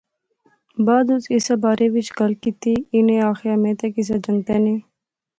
بعد اس کیسے نے بارے وچ گل کیتی۔ انیں آخیا میں تے کسے جنگتے نے